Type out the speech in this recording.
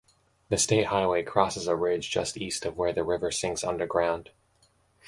The state highway crosses a ridge just east of where the river sinks underground.